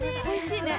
おいしい！